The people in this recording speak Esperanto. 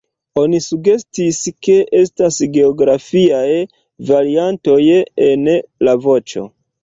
Oni sugestis, ke estas geografiaj variantoj en la voĉo.